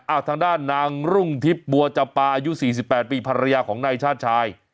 อ้าวทางด้านนางรุ่งทิพย์บัวจับปลาอายุสี่สิบแปดปีภรรยาของนายชาติชาย